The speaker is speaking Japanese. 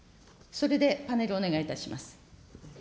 それでパネルをお願いいたします。